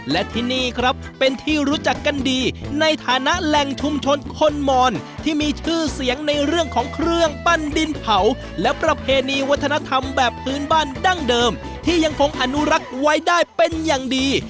และที่นี่ครับเป็นที่รู้จักกันดีในฐานะแหล่งชุมชนคนมอนที่มีชื่อเสียงในเรื่องของเครื่องปั้นดินเผาและประเพณีวัฒนธรรมแบบพื้นบ้านดั้งเดิมที่ยังคงอนุรักษ์ไว้ได้เป็นอย่างดี